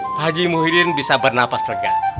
pak haji muhyiddin bisa bernafas regang